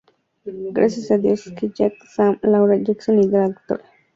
Gracias a Dios que Jack, Sam, Laura, Jason y la Dra.